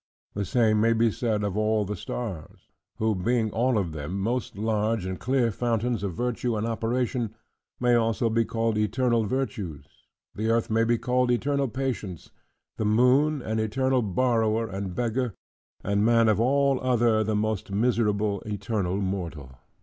The same may be said of all the stars; who being all of them most large and clear fountains of virtue and operation, may also, be called eternal virtues: the earth may be called eternal patience; the moon, an eternal borrower and beggar; and man of all other the most miserable, eternally mortal.